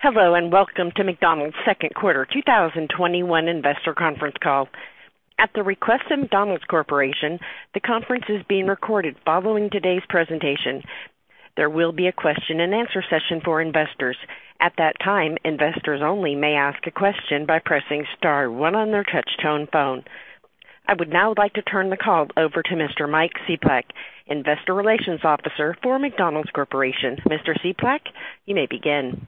Hello, and welcome to McDonald's 2nd quarter 2021 investor conference call. At the request of McDonald's Corporation, the conference is being recorded. Following today's presentation, there will be a question and answer session for investors. At that time, investors only may ask a question by pressing star one on their touch-tone phone. I would now like to turn the call over to Mr. Mike Cieplak, investor relations officer for McDonald's Corporation. Mr. Cieplak, you may begin.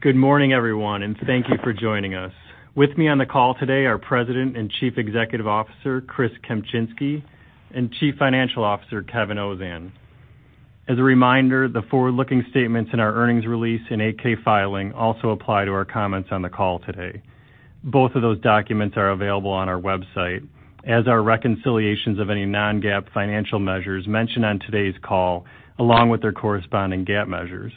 Good morning, everyone. Thank you for joining us. With me on the call today are President and Chief Executive Officer, Chris Kempczinski, and Chief Financial Officer, Kevin Ozan. As a reminder, the forward-looking statements in our earnings release and 8-K filing also apply to our comments on the call today. Both of those documents are available on our website, as are reconciliations of any non-GAAP financial measures mentioned on today's call, along with their corresponding GAAP measures.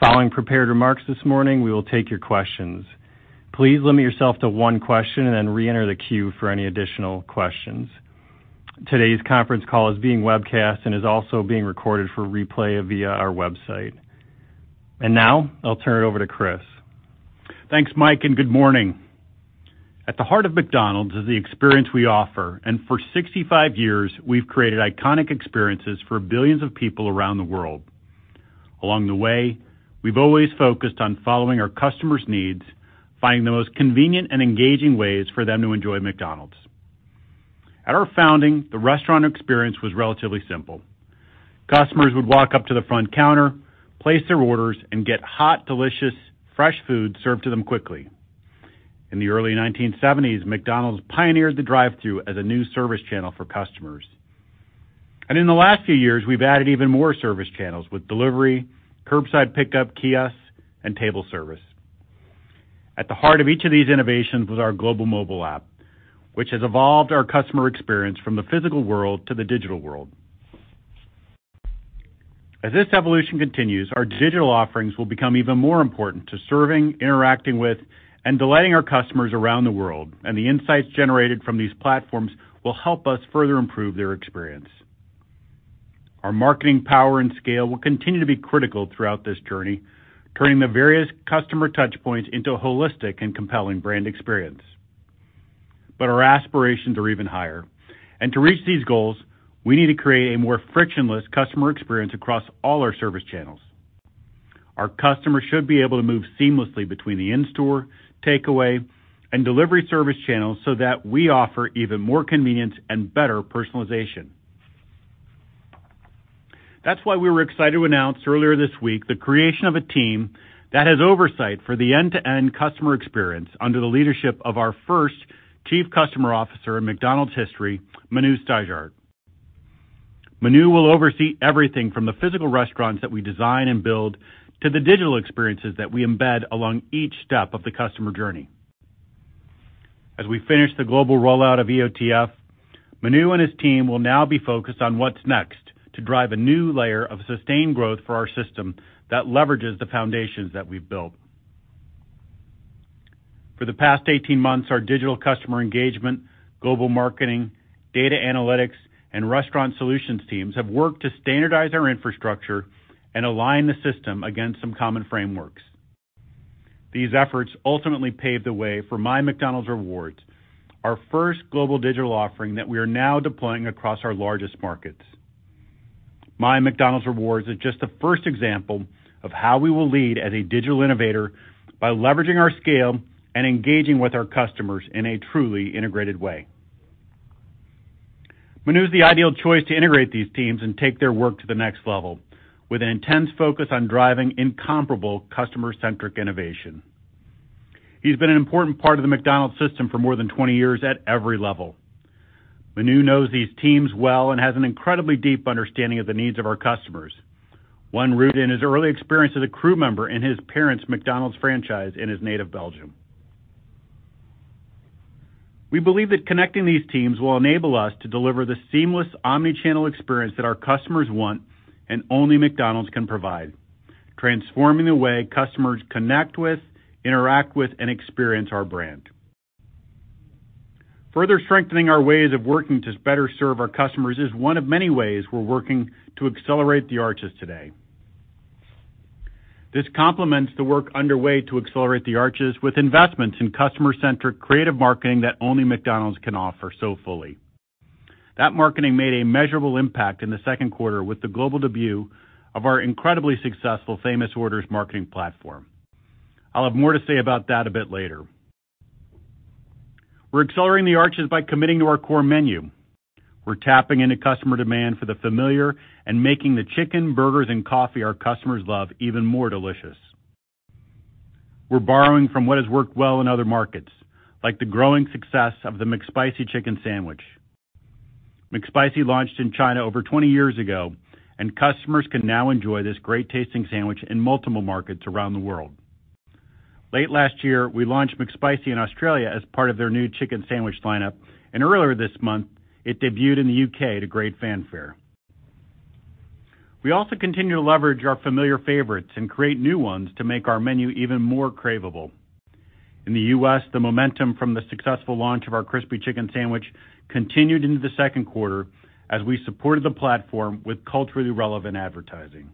Following prepared remarks this morning, we will take your questions. Please limit yourself to one question and then re-enter the queue for any additional questions. Today's conference call is being webcast and is also being recorded for replay via our website. Now, I'll turn it over to Chris. Thanks, Mike. Good morning. At the heart of McDonald's is the experience we offer, and for 65 years, we've created iconic experiences for billions of people around the world. Along the way, we've always focused on following our customers' needs, finding the most convenient and engaging ways for them to enjoy McDonald's. At our founding, the restaurant experience was relatively simple. Customers would walk up to the front counter, place their orders, and get hot, delicious, fresh food served to them quickly. In the early 1970s, McDonald's pioneered the drive-thru as a new service channel for customers. In the last few years, we've added even more service channels with delivery, curbside pickup, kiosks, and table service. At the heart of each of these innovations was our global mobile app, which has evolved our customer experience from the physical world to the digital world. As this evolution continues, our digital offerings will become even more important to serving, interacting with, and delighting our customers around the world, and the insights generated from these platforms will help us further improve their experience. Our marketing power and scale will continue to be critical throughout this journey, turning the various customer touchpoints into a holistic and compelling brand experience. Our aspirations are even higher, and to reach these goals, we need to create a more frictionless customer experience across all our service channels. Our customers should be able to move seamlessly between the in-store, takeaway, and delivery service channels so that we offer even more convenience and better personalization. That's why we were excited to announce earlier this week the creation of a team that has oversight for the end-to-end customer experience under the leadership of our first Chief Customer Officer in McDonald's history, Manu Steyaert. Manu will oversee everything from the physical restaurants that we design and build to the digital experiences that we embed along each step of the customer journey. As we finish the global rollout of EOTF, Manu and his team will now be focused on what's next to drive a new layer of sustained growth for our system that leverages the foundations that we've built. For the past 18 months, our digital customer engagement, global marketing, data analytics, and restaurant solutions teams have worked to standardize our infrastructure and align the system against some common frameworks. These efforts ultimately paved the way for MyMcDonald's Rewards, our first global digital offering that we are now deploying across our largest markets. MyMcDonald's Rewards is just the first example of how we will lead as a digital innovator by leveraging our scale and engaging with our customers in a truly integrated way. Manu is the ideal choice to integrate these teams and take their work to the next level with an intense focus on driving incomparable customer-centric innovation. He's been an important part of the McDonald's system for more than 20 years at every level. Manu knows these teams well and has an incredibly deep understanding of the needs of our customers, one rooted in his early experience as a crew member in his parents' McDonald's franchise in his native Belgium. We believe that connecting these teams will enable us to deliver the seamless omni-channel experience that our customers want and only McDonald's can provide, transforming the way customers connect with, interact with, and experience our brand. Further strengthening our ways of working to better serve our customers is one of many ways we're working to accelerate the arches today. This complements the work underway to Accelerate the Arches with investments in customer-centric creative marketing that only McDonald's can offer so fully. That marketing made a measurable impact in the second quarter with the global debut of our incredibly successful Famous Orders marketing platform. I'll have more to say about that a bit later. We're Accelerating the Arches by committing to our core menu. We're tapping into customer demand for the familiar and making the chicken, burgers, and coffee our customers love even more delicious. We're borrowing from what has worked well in other markets, like the growing success of the McSpicy chicken sandwich. McSpicy launched in China over 20 years ago, and customers can now enjoy this great-tasting sandwich in multiple markets around the world. Late last year, we launched McSpicy in Australia as part of their new chicken sandwich lineup, and earlier this month, it debuted in the U.K. to great fanfare. We also continue to leverage our familiar favorites and create new ones to make our menu even more craveable. In the U.S., the momentum from the successful launch of our Crispy Chicken Sandwich continued into the second quarter as we supported the platform with culturally relevant advertising.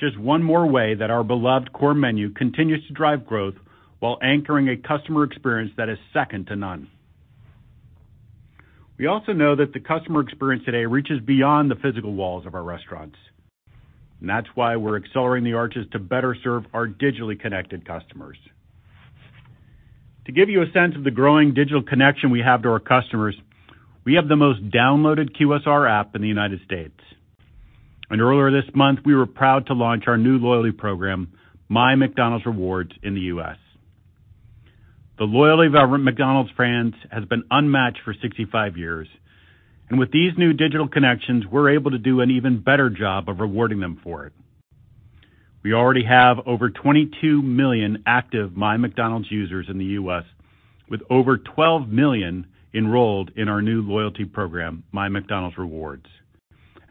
Just one more way that our beloved core menu continues to drive growth while anchoring a customer experience that is second to none. We also know that the customer experience today reaches beyond the physical walls of our restaurants, and that's why we're Accelerating the Arches to better serve our digitally connected customers. To give you a sense of the growing digital connection we have to our customers, we have the most downloaded QSR app in the U.S. Earlier this month, we were proud to launch our new loyalty program, MyMcDonald's Rewards, in the U.S. The loyalty of our McDonald's fans has been unmatched for 65 years, and with these new digital connections, we're able to do an even better job of rewarding them for it. We already have over 22 million active MyMcDonald's users in the U.S., with over 12 million enrolled in our new loyalty program, MyMcDonald's Rewards.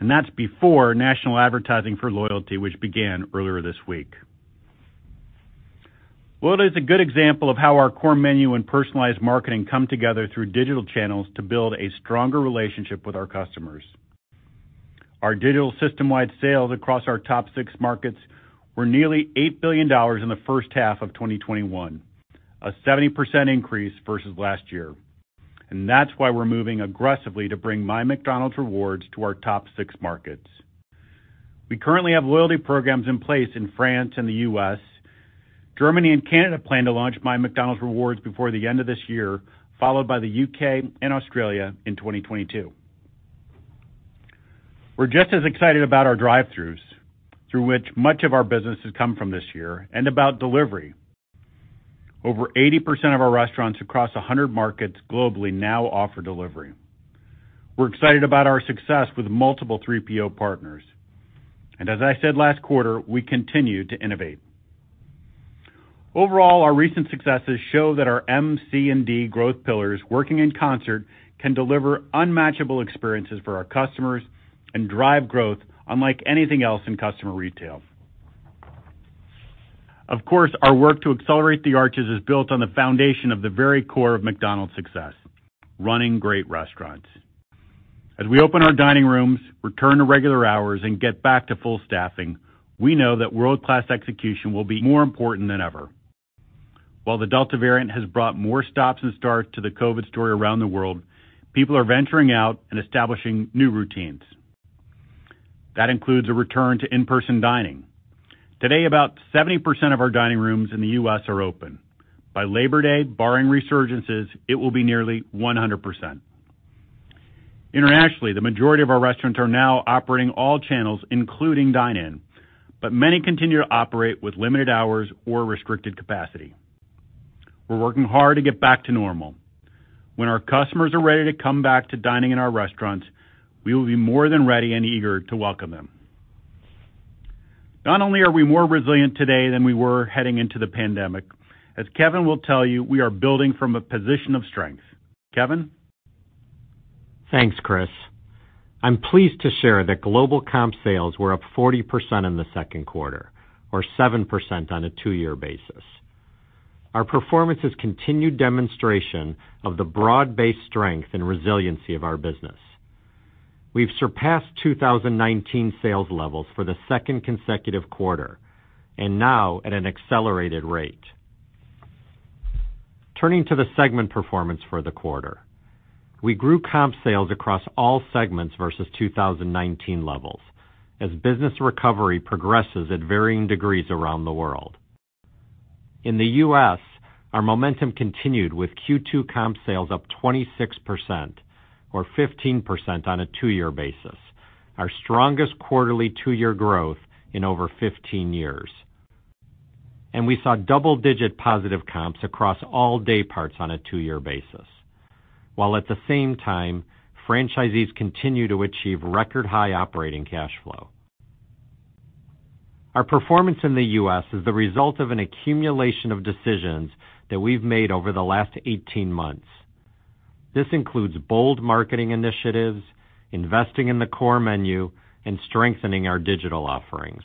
That's before national advertising for loyalty, which began earlier this week. Loyalty is a good example of how our core menu and personalized marketing come together through digital channels to build a stronger relationship with our customers. Our digital system-wide sales across our top six markets were nearly $8 billion in the first half of 2021, a 70% increase versus last year. That's why we're moving aggressively to bring MyMcDonald's Rewards to our top six markets. We currently have loyalty programs in place in France and the U.S. Germany and Canada plan to launch MyMcDonald's Rewards before the end of this year, followed by the U.K. and Australia in 2022. We're just as excited about our drive-throughs, through which much of our business has come from this year, and about delivery. Over 80% of our restaurants across 100 markets globally now offer delivery. We're excited about our success with multiple 3PO partners. As I said last quarter, we continue to innovate. Overall, our recent successes show that our MCD growth pillars working in concert can deliver unmatchable experiences for our customers and drive growth unlike anything else in customer retail. Of course, our work to Accelerate the Arches is built on the foundation of the very core of McDonald's success, running great restaurants. As we open our dining rooms, return to regular hours, and get back to full staffing, we know that world-class execution will be more important than ever. While the Delta variant has brought more stops and starts to the COVID story around the world, people are venturing out and establishing new routines. That includes a return to in-person dining. Today, about 70% of our dining rooms in the U.S. are open. By Labor Day, barring resurgences, it will be nearly 100%. Internationally, the majority of our restaurants are now operating all channels, including dine-in, but many continue to operate with limited hours or restricted capacity. We're working hard to get back to normal. When our customers are ready to come back to dining in our restaurants, we will be more than ready and eager to welcome them. Not only are we more resilient today than we were heading into the pandemic, as Kevin will tell you, we are building from a position of strength. Kevin? Thanks, Chris. I'm pleased to share that global comp sales were up 40% in the second quarter, or 7% on a two-year basis. Our performance is continued demonstration of the broad-based strength and resiliency of our business. We’ve surpassed 2019 sales levels for the second consecutive quarter, now at an accelerated rate. Turning to the segment performance for the quarter. We grew comp sales across all segments versus 2019 levels as business recovery progresses at varying degrees around the world. In the U.S., our momentum continued with Q2 comp sales up 26%, or 15% on a two-year basis, our strongest quarterly two-year growth in over 15 years. We saw double-digit positive comps across all day parts on a two-year basis, while at the same time, franchisees continue to achieve record high operating cash flow. Our performance in the U.S. is the result of an accumulation of decisions that we've made over the last 18 months. This includes bold marketing initiatives, investing in the core menu, and strengthening our digital offerings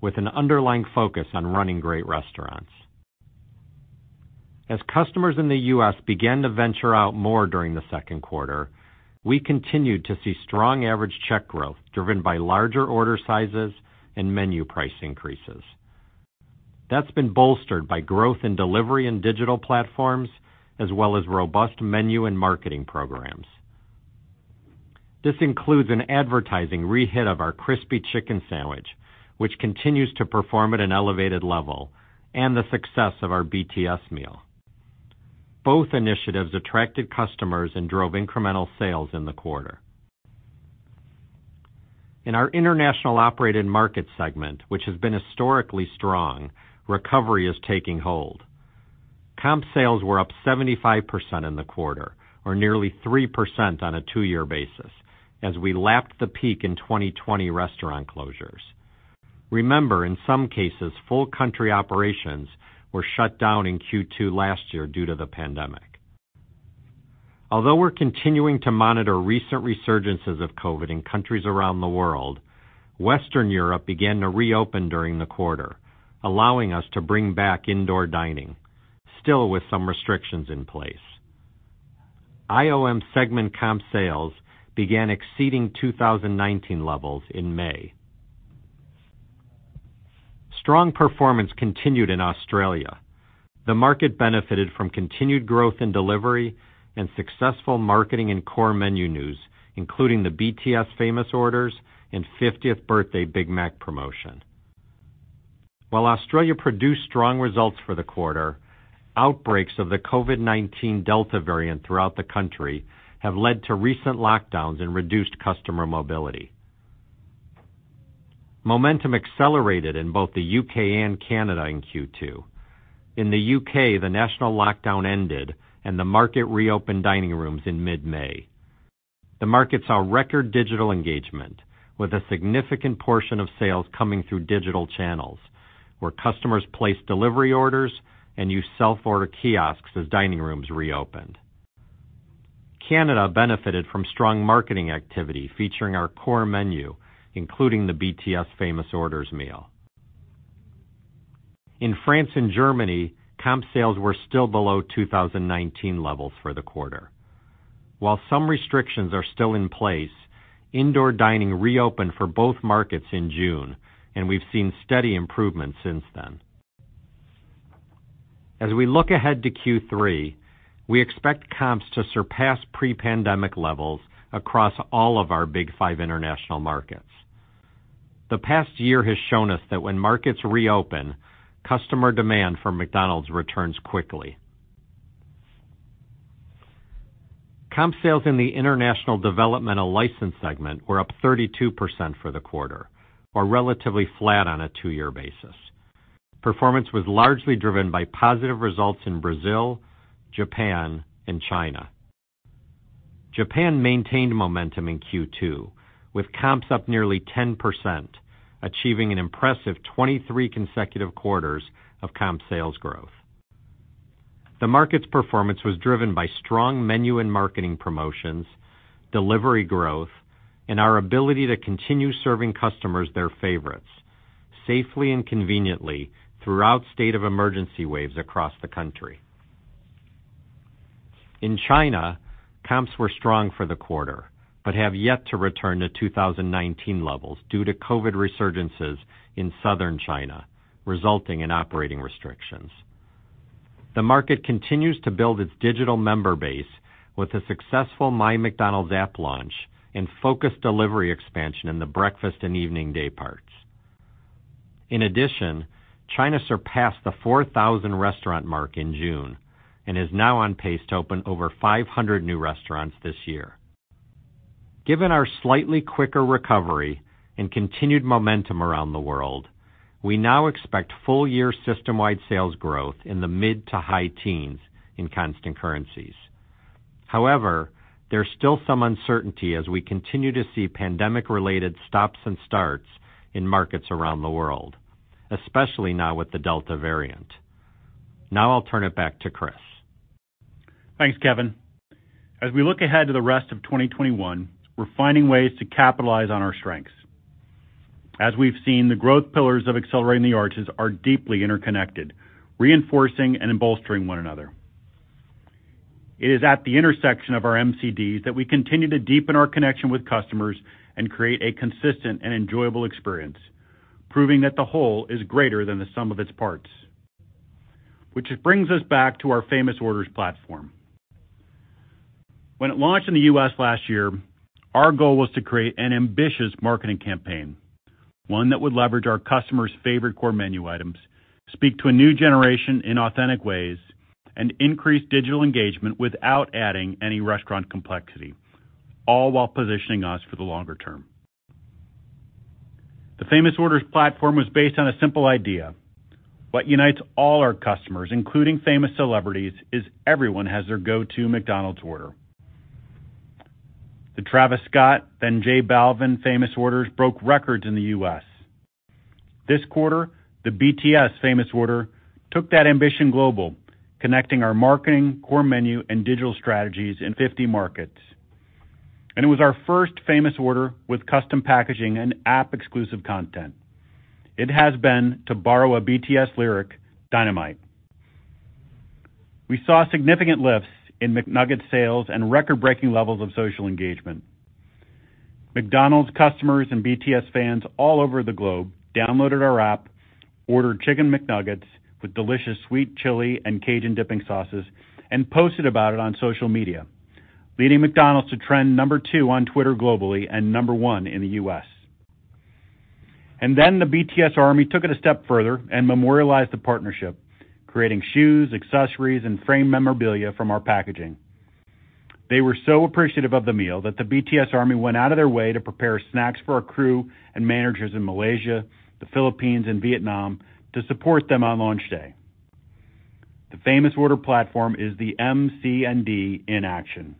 with an underlying focus on running great restaurants. As customers in the U.S. began to venture out more during the second quarter, we continued to see strong average check growth driven by larger order sizes and menu price increases. That's been bolstered by growth in delivery and digital platforms, as well as robust menu and marketing programs. This includes an advertising re-hit of our Crispy Chicken Sandwich, which continues to perform at an elevated level, and the success of our BTS meal. Both initiatives attracted customers and drove incremental sales in the quarter. In our international operated markets segment, which has been historically strong, recovery is taking hold. Comp sales were up 75% in the quarter, or nearly 3% on a two-year basis, as we lapped the peak in 2020 restaurant closures. Remember, in some cases, full country operations were shut down in Q2 last year due to the pandemic. We're continuing to monitor recent resurgences of COVID in countries around the world, Western Europe began to reopen during the quarter, allowing us to bring back indoor dining, still with some restrictions in place. IOM segment comp sales began exceeding 2019 levels in May. Strong performance continued in Australia. The market benefited from continued growth in delivery and successful marketing and core menu news, including the BTS Famous Orders and 50th birthday Big Mac promotion. Australia produced strong results for the quarter, outbreaks of the COVID-19 Delta variant throughout the country have led to recent lockdowns and reduced customer mobility. Momentum accelerated in both the U.K. and Canada in Q2. In the U.K., the national lockdown ended and the market reopened dining rooms in mid-May. The market saw record digital engagement with a significant portion of sales coming through digital channels, where customers placed delivery orders and used self-order kiosks as dining rooms reopened. Canada benefited from strong marketing activity featuring our core menu, including the BTS Famous Orders meal. In France and Germany, comp sales were still below 2019 levels for the quarter. While some restrictions are still in place, indoor dining reopened for both markets in June, and we've seen steady improvement since then. As we look ahead to Q3, we expect comps to surpass pre-pandemic levels across all of our big five international markets. The past year has shown us that when markets reopen, customer demand for McDonald's returns quickly. Comp sales in the International Developmental Licensed segment were up 32% for the quarter, or relatively flat on a two-year basis. Performance was largely driven by positive results in Brazil, Japan, and China. Japan maintained momentum in Q2, with comps up nearly 10%, achieving an impressive 23 consecutive quarters of comp sales growth. The market's performance was driven by strong menu and marketing promotions, delivery growth, and our ability to continue serving customers their favorites safely and conveniently throughout state of emergency waves across the country. In China, comps were strong for the quarter, but have yet to return to 2019 levels due to COVID resurgences in Southern China, resulting in operating restrictions. The market continues to build its digital member base with a successful MyMcDonald's app launch and focused delivery expansion in the breakfast and evening day parts. In addition, China surpassed the 4,000-restaurant mark in June and is now on pace to open over 500 new restaurants this year. Given our slightly quicker recovery and continued momentum around the world, we now expect full-year system-wide sales growth in the mid to high teens in constant currencies. However, there's still some uncertainty as we continue to see pandemic-related stops and starts in markets around the world, especially now with the Delta variant. I'll turn it back to Chris. Thanks, Kevin. As we look ahead to the rest of 2021, we're finding ways to capitalize on our strengths. As we've seen, the growth pillars of Accelerating the Arches are deeply interconnected, reinforcing and bolstering one another. It is at the intersection of our MCDs that we continue to deepen our connection with customers and create a consistent and enjoyable experience, proving that the whole is greater than the sum of its parts. Brings us back to our Famous Orders platform. When it launched in the U.S. last year, our goal was to create an ambitious marketing campaign, one that would leverage our customers' favorite core menu items, speak to a new generation in authentic ways, and increase digital engagement without adding any restaurant complexity, all while positioning us for the longer term. The Famous Orders platform was based on a simple idea. What unites all our customers, including famous celebrities, is everyone has their go-to McDonald's order. The Travis Scott, then J Balvin Famous Orders broke records in the U.S. This quarter, the BTS Famous Order took that ambition global, connecting our marketing, core menu, and digital strategies in 50 markets. It was our first Famous Order with custom packaging and app-exclusive content. It has been, to borrow a BTS lyric, Dynamite. We saw significant lifts in McNuggets sales and record-breaking levels of social engagement. McDonald's customers and BTS fans all over the globe downloaded our app, ordered Chicken McNuggets with delicious sweet chili and Cajun dipping sauces, and posted about it on social media, leading McDonald's to trend number two on Twitter globally and number one in the U.S. The BTS Army took it a step further and memorialized the partnership, creating shoes, accessories, and framed memorabilia from our packaging. They were so appreciative of the meal that the BTS Army went out of their way to prepare snacks for our crew and managers in Malaysia, the Philippines, and Vietnam to support them on launch day. The Famous Orders platform is the MCDs in action.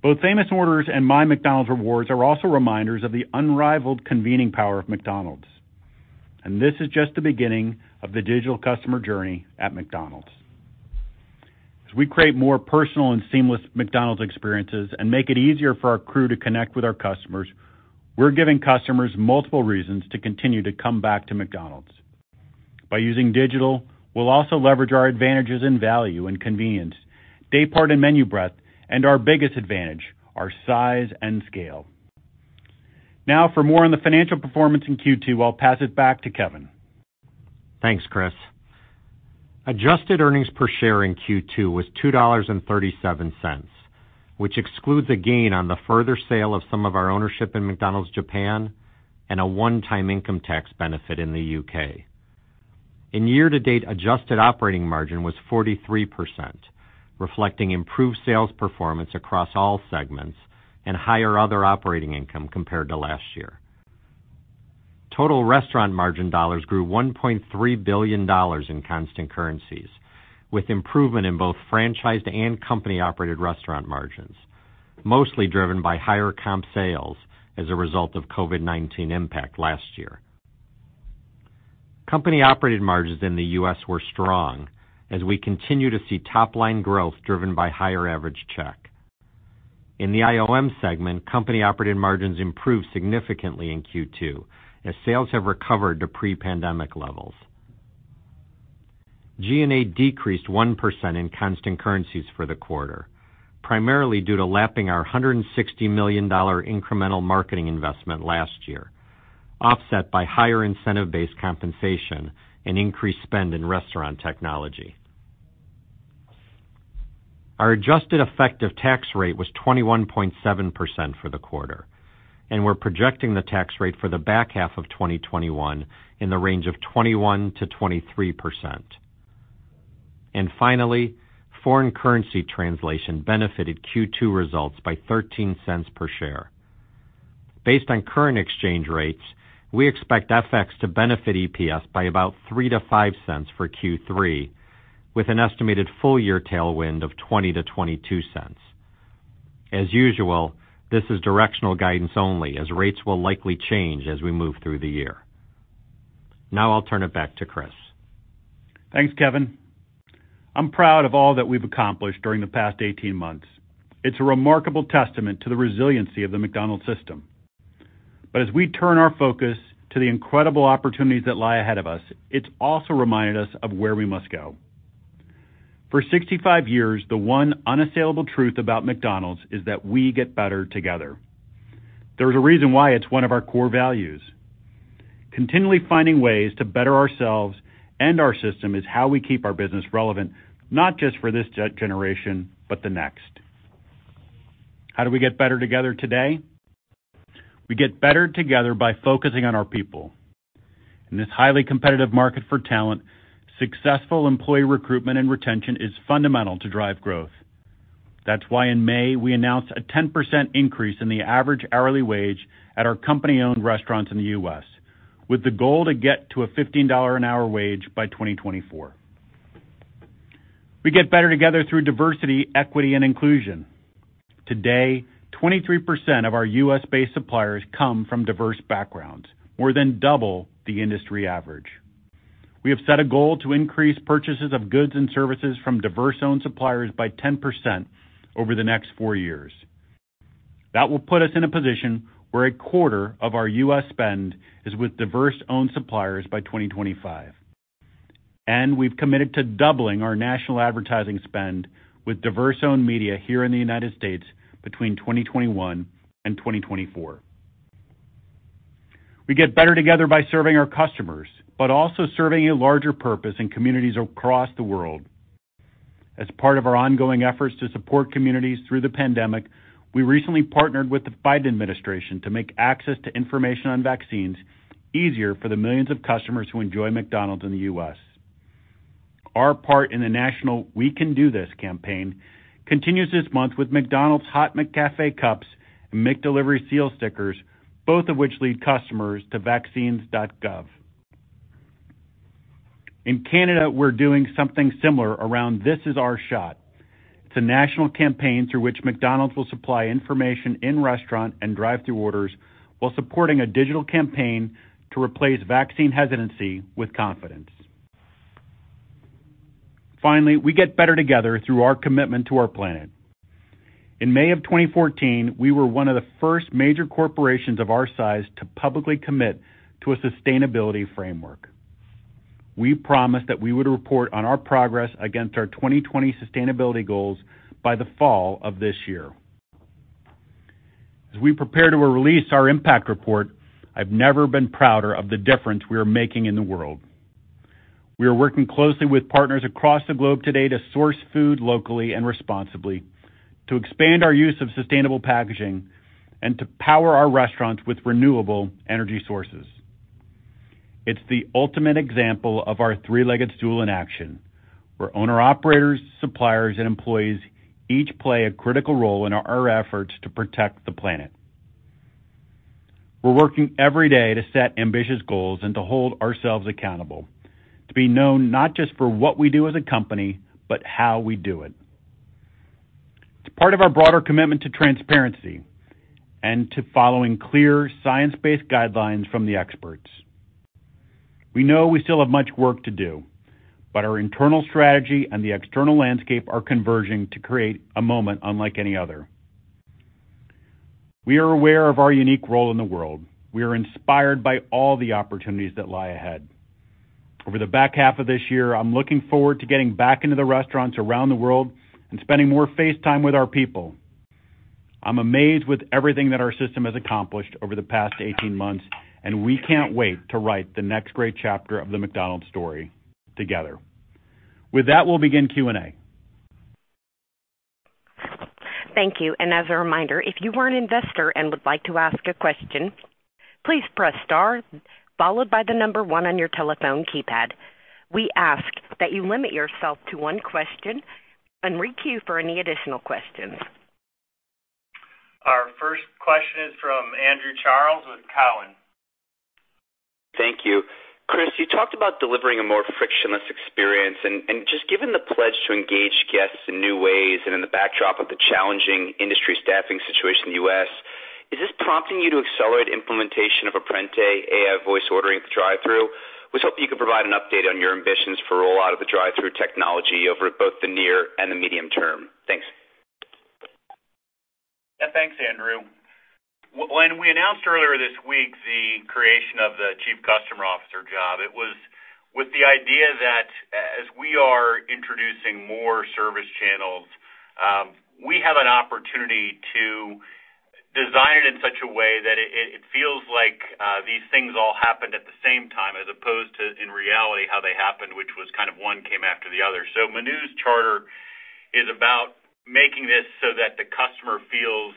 Both Famous Orders and MyMcDonald’s Rewards are also reminders of the unrivaled convening power of McDonald’s. This is just the beginning of the digital customer journey at McDonald’s. As we create more personal and seamless McDonald’s experiences and make it easier for our crew to connect with our customers, we’re giving customers multiple reasons to continue to come back to McDonald’s. By using digital, we’ll also leverage our advantages in value and convenience, daypart and menu breadth, and our biggest advantage, our size and scale. For more on the financial performance in Q2, I’ll pass it back to Kevin. Thanks, Chris. Adjusted earnings per share in Q2 was $2.37, which excludes a gain on the further sale of some of our ownership in McDonald's Japan and a one-time income tax benefit in the U.K. In year to date, adjusted operating margin was 43%, reflecting improved sales performance across all segments and higher other operating income compared to last year. Total restaurant margin dollars grew $1.3 billion in constant currencies, with improvement in both franchised and company-operated restaurant margins, mostly driven by higher comp sales as a result of COVID-19 impact last year. Company-operated margins in the U.S. were strong as we continue to see top-line growth driven by higher average check. In the IOM segment, company-operated margins improved significantly in Q2 as sales have recovered to pre-pandemic levels. G&A decreased 1% in constant currencies for the quarter, primarily due to lapping our $160 million incremental marketing investment last year, offset by higher incentive-based compensation and increased spend in restaurant technology. Our adjusted effective tax rate was 21.7% for the quarter, we’re projecting the tax rate for the back half of 2021 in the range of 21%-23%. Finally, foreign currency translation benefited Q2 results by $0.13/share. Based on current exchange rates, we expect FX to benefit EPS by about $0.03-$0.05 for Q3, with an estimated full-year tailwind of $0.20-$0.22. As usual, this is directional guidance only, as rates will likely change as we move through the year. Now I’ll turn it back to Chris. Thanks, Kevin. I’m proud of all that we’ve accomplished during the past 18 months. It’s a remarkable testament to the resiliency of the McDonald’s system. As we turn our focus to the incredible opportunities that lie ahead of us, it’s also reminded us of where we must go. For 65 years, the one unassailable truth about McDonald’s is that we get better together. There’s a reason why it’s one of our core values. Continually finding ways to better ourselves and our system is how we keep our business relevant, not just for this generation, but the next. How do we get better together today? We get better together by focusing on our people. In this highly competitive market for talent, successful employee recruitment and retention is fundamental to drive growth. That’s why in May, we announced a 10% increase in the average hourly wage at our company-owned restaurants in the U.S., with the goal to get to a $15 an hour wage by 2024. We get better together through diversity, equity, and inclusion. Today, 23% of our U.S.-based suppliers come from diverse backgrounds, more than double the industry average. We have set a goal to increase purchases of goods and services from diverse-owned suppliers by 10% over the next four years. That will put us in a position where a quarter of our U.S. spend is with diverse-owned suppliers by 2025. We’ve committed to doubling our national advertising spend with diverse-owned media here in the United States between 2021 and 2024. We get better together by serving our customers, but also serving a larger purpose in communities across the world. As part of our ongoing efforts to support communities through the pandemic, we recently partnered with the Biden administration to make access to information on vaccines easier for the millions of customers who enjoy McDonald's in the U.S. Our part in the national We Can Do This campaign continues this month with McDonald's hot McCafé cups and McDelivery seal stickers, both of which lead customers to vaccines.gov. In Canada, we’re doing something similar around This Is Our Shot. It’s a national campaign through which McDonald's will supply information in-restaurant and drive-thru orders while supporting a digital campaign to replace vaccine hesitancy with confidence. Finally, we get better together through our commitment to our planet. In May of 2014, we were one of the first major corporations of our size to publicly commit to a sustainability framework. We promised that we would report on our progress against our 2020 sustainability goals by the fall of this year. As we prepare to release our impact report, I’ve never been prouder of the difference we are making in the world. We are working closely with partners across the globe today to source food locally and responsibly, to expand our use of sustainable packaging, and to power our restaurants with renewable energy sources. It’s the ultimate example of our three-legged stool in action, where owner-operators, suppliers, and employees each play a critical role in our efforts to protect the planet. We're working every day to set ambitious goals and to hold ourselves accountable, to be known not just for what we do as a company, but how we do it. It's part of our broader commitment to transparency and to following clear science-based guidelines from the experts. We know we still have much work to do, but our internal strategy and the external landscape are converging to create a moment unlike any other. We are aware of our unique role in the world. We are inspired by all the opportunities that lie ahead. Over the back half of this year, I'm looking forward to getting back into the restaurants around the world and spending more face time with our people. I'm amazed with everything that our system has accomplished over the past 18 months, and we can't wait to write the next great chapter of the McDonald's story together. With that, we'll begin Q&A. Thank you. As a reminder, if you are an investor and would like to ask a question, please press star followed by the number one on your telephone keypad. We ask that you limit yourself to one question and re-queue for any additional questions. Our first question is from Andrew Charles with Cowen. Thank you. Chris, you talked about delivering a more frictionless experience and just given the pledge to engage guests in new ways and in the backdrop of the challenging industry staffing situation in the U.S., is this prompting you to accelerate implementation of Apprente AI voice ordering at the drive-thru? I was hoping you could provide an update on your ambitions for rollout of the drive-thru technology over both the near and the medium term. Thanks. Thanks, Andrew. When we announced earlier this week the creation of the Chief Customer Officer job, it was with the idea that as we are introducing more service channels, we have an opportunity to design it in such a way that it feels like these things all happened at the same time as opposed to, in reality, how they happened, which was kind of one came after the other. Manu's charter is about making this so that the customer feels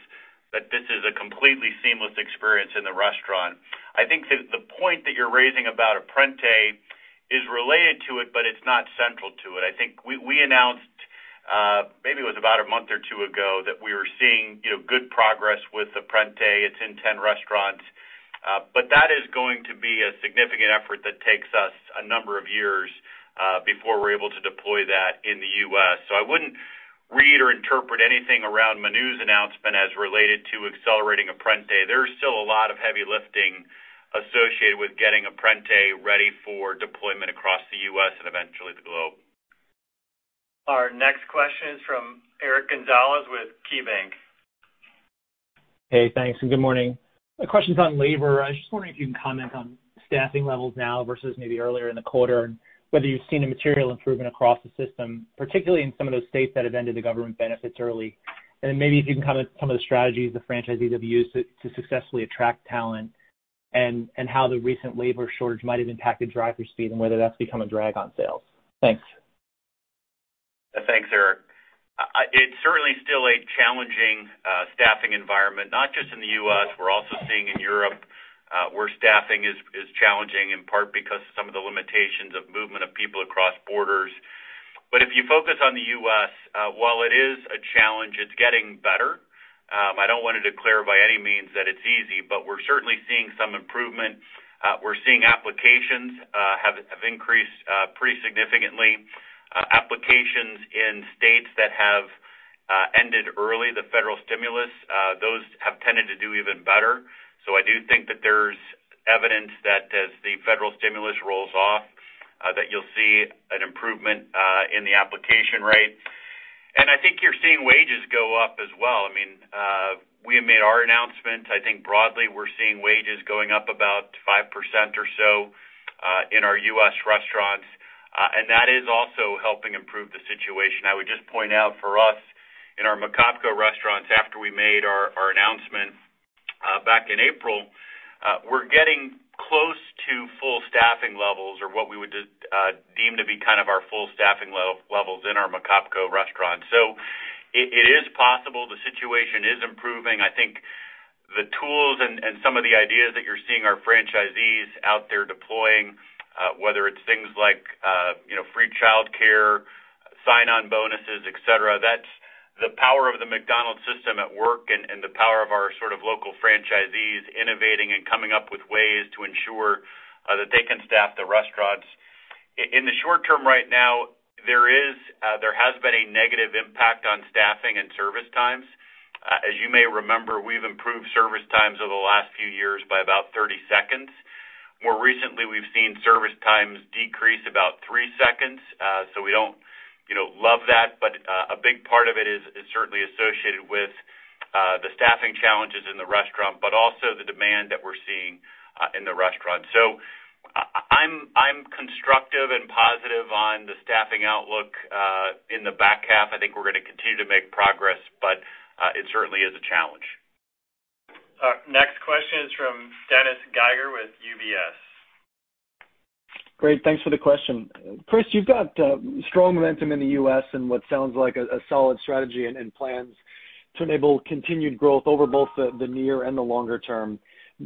that this is a completely seamless experience in the restaurant. I think that the point that you're raising about Apprente is related to it, but it's not central to it. I think we announced, maybe it was about a month or two ago, that we were seeing good progress with Apprente. It's in 10 restaurants. That is going to be a significant effort that takes us a number of years, before we're able to deploy that in the U.S. I wouldn't read or interpret anything around Manu's announcement as related to accelerating Apprente. There's still a lot of heavy lifting associated with getting Apprente ready for deployment across the U.S. and eventually the globe. Our next question is from Eric Gonzalez with KeyBanc. Hey, thanks, and good morning. My question's on labor. I was just wondering if you can comment on staffing levels now versus maybe earlier in the quarter, and whether you've seen a material improvement across the system, particularly in some of those states that have ended the government benefits early. Maybe if you can comment some of the strategies the franchisees have used to successfully attract talent and how the recent labor shortage might have impacted drive-thru speed and whether that's become a drag on sales. Thanks. Thanks, Eric. It's certainly still a challenging staffing environment, not just in the U.S. We're also seeing in Europe where staffing is challenging, in part because of some of the limitations of movement of people across borders. If you focus on the U.S., while it is a challenge, it's getting better. I don't want to declare by any means that it's easy, but we're certainly seeing some improvement. We're seeing applications have increased pretty significantly. Applications in states that have ended early the federal stimulus, those have tended to do even better. I do think that there's evidence that as the federal stimulus rolls off, that you'll see an improvement in the application rate. I think you're seeing wages go up as well. We have made our announcement. I think broadly, we're seeing wages going up about 5% or so in our U.S. restaurants. That is also helping improve the situation. I would just point out for us in our McOpCo restaurants, after we made our announcement back in April, we're getting close to full staffing levels or what we would deem to be our full staffing levels in our McOpCo restaurants. It is possible. The situation is improving. I think the tools and some of the ideas that you're seeing our franchisees out there deploying, whether it's things like free childcare, sign-on bonuses, et cetera, that's the power of the McDonald's system at work and the power of our local franchisees innovating and coming up with ways to ensure that they can staff the restaurants. In the short term right now, there has been a negative impact on staffing and service times. As you may remember, we've improved service times over the last few years by about 30 seconds. More recently, we've seen service times decrease about 3 seconds. We don't love that, but a big part of it is certainly associated with the staffing challenges in the restaurant, but also the demand that we're seeing in the restaurant. I'm constructive and positive on the staffing outlook. In the back half, I think we're going to continue to make progress, but it certainly is a challenge. Our next question is from Dennis Geiger with UBS. Great. Thanks for the question. Chris, you've got strong momentum in the U.S. and what sounds like a solid strategy and plans to enable continued growth over both the near and the longer term.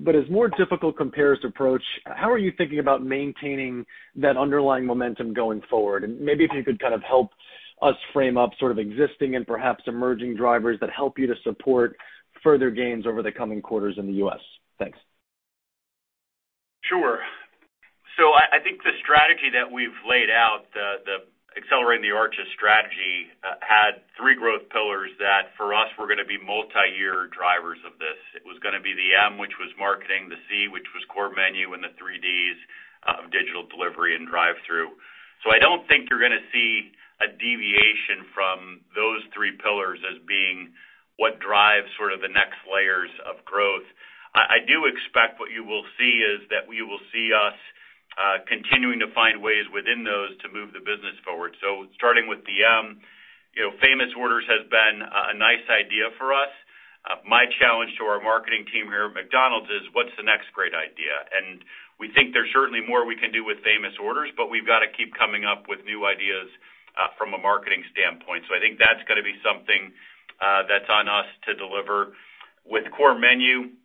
As more difficult compares approach, how are you thinking about maintaining that underlying momentum going forward? Maybe if you could help us frame up existing and perhaps emerging drivers that help you to support further gains over the coming quarters in the U.S. Thanks. I think the strategy that we've laid out, the Accelerating the Arches strategy, had three growth pillars that for us were going to be multi-year drivers of this. It was going to be the M, which was marketing, the C, which was core menu, and the three Ds of digital, delivery, and drive-thru. I don't think you're going to see a deviation from those three pillars as being what drives sort of the next layers of growth. I do expect what you will see is that we will see us continuing to find ways within those to move the business forward. Starting with the M, Famous Orders has been a nice idea for us. My challenge to our marketing team here at McDonald's is, what's the next great idea? We think there's certainly more we can do with Famous Orders, but we've got to keep coming up with new ideas from a marketing standpoint. I think that's going to be something that's on us to deliver. With core menu,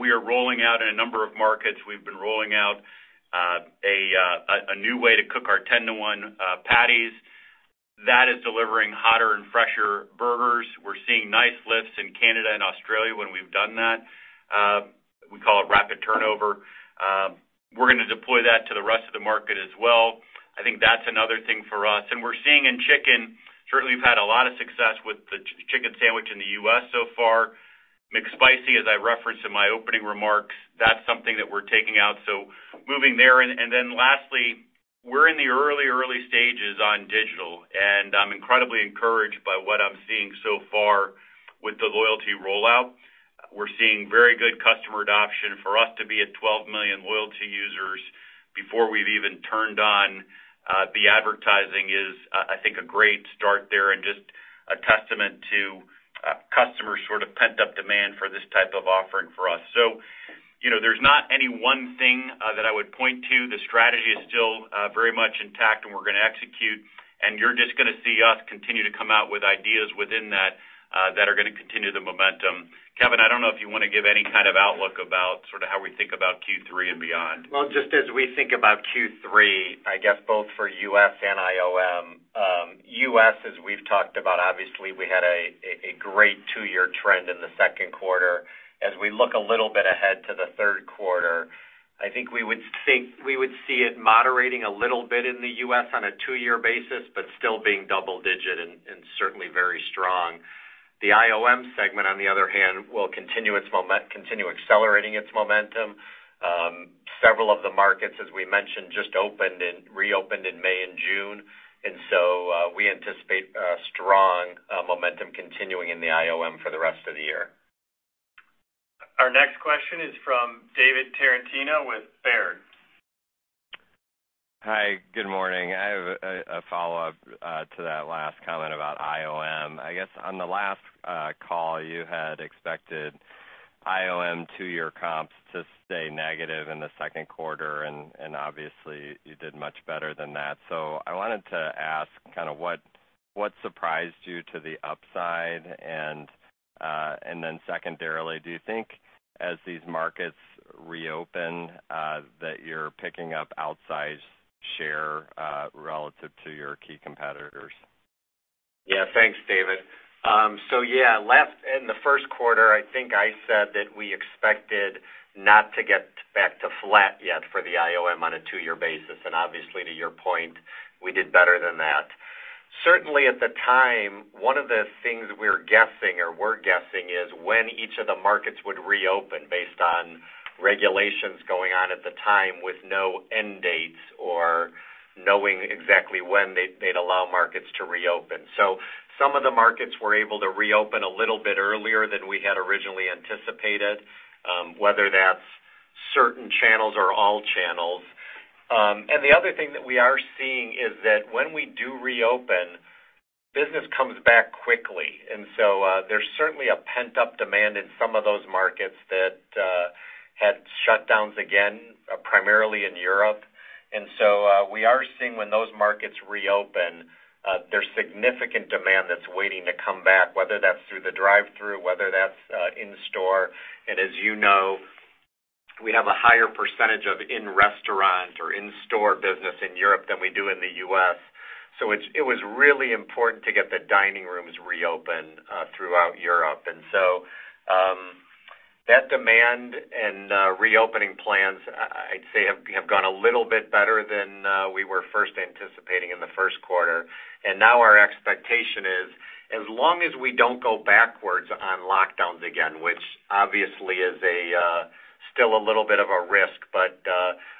we are rolling out in a number of markets. We've been rolling out a new way to cook our 10 to 1 patties. That is delivering hotter and fresher burgers. We're seeing nice lifts in Canada and Australia when we've done that. We call it rapid turnover. We're going to deploy that to the rest of the market as well. I think that's another thing for us. We're seeing in chicken, certainly we've had a lot of success with the chicken sandwich in the U.S. so far. McSpicy, as I referenced in my opening remarks, that's something that we're taking out. Then lastly, we're in the early stages on digital, and I'm incredibly encouraged by what I'm seeing so far with the loyalty rollout. We're seeing very good customer adoption. For us to be at 12 million loyalty users before we've even turned on the advertising is, I think, a great start there and just a testament to customer sort of pent-up demand for this type of offering for us. There's not any one thing that I would point to. The strategy is still very much intact, and we're going to execute, and you're just going to see us continue to come out with ideas within that are going to continue the momentum. Kevin, I don't know if you want to give any kind of outlook about how we think about Q3 and beyond? Well, just as we think about Q3, I guess both for U.S. and IOM. U.S., as we've talked about, obviously, we had a great two-year trend in the second quarter. We look a little bit ahead to the third quarter, I think we would see it moderating a little bit in the U.S. on a two-year basis, but still being double-digit and certainly very strong. The IOM segment, on the other hand, will continue accelerating its momentum. Several of the markets, as we mentioned, just reopened in May and June, we anticipate strong momentum continuing in the IOM for the rest of the year. Our next question is from David Tarantino with Baird. Hi, good morning. I have a follow-up to that last comment about IOM. I guess on the last call, you had expected IOM two-year comps to stay negative in the second quarter, and obviously, you did much better than that. I wanted to ask what surprised you to the upside? Then secondarily, do you think as these markets reopen that you're picking up outsized share relative to your key competitors? Thanks, David. In the 1st quarter, I think I said that we expected not to get back to flat yet for the IOM on a two-year basis. Obviously, to your point, we did better than that. Certainly at the time, one of the things we were guessing is when each of the markets would reopen based on regulations going on at the time with no end dates or knowing exactly when they'd allow markets to reopen. Some of the markets were able to reopen a little bit earlier than we had originally anticipated, whether that's certain channels or all channels. The other thing that we are seeing is that when we do reopen, business comes back quickly. There's certainly a pent-up demand in some of those markets that had shutdowns again, primarily in Europe. We are seeing when those markets reopen, there's significant demand that's waiting to come back, whether that's through the drive-thru, whether that's in store. As you know, we have a higher percentage of in-restaurant or in-store business in Europe than we do in the U.S. It was really important to get the dining rooms reopened throughout Europe. That demand and reopening plans, I'd say, have gone a little bit better than we were first anticipating in the first quarter. Now our expectation is, as long as we don't go backwards on lockdowns again, which obviously is still a little bit of a risk.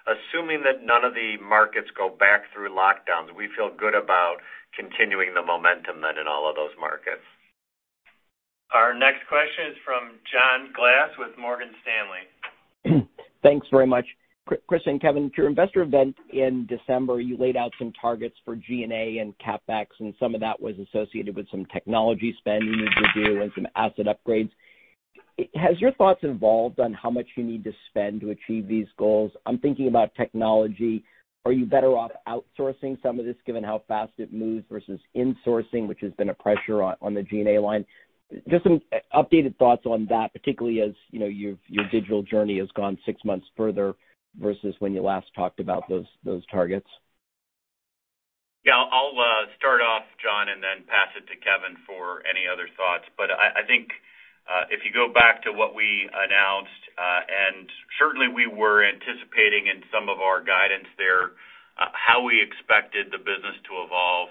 Assuming that none of the markets go back through lockdowns, we feel good about continuing the momentum then in all of those markets. Our next question is from John Glass with Morgan Stanley. Thanks very much. Chris and Kevin, at your investor event in December, you laid out some targets for G&A and CapEx, and some of that was associated with some technology spend you need to do and some asset upgrades. Has your thoughts evolved on how much you need to spend to achieve these goals? I'm thinking about technology. Are you better off outsourcing some of this, given how fast it moves, versus insourcing, which has been a pressure on the G&A line? Just some updated thoughts on that, particularly as your digital journey has gone six months further versus when you last talked about those targets. I'll start off, John, then pass it to Kevin for any other thoughts. I think if you go back to what we announced, and certainly we were anticipating in some of our guidance there how we expected the business to evolve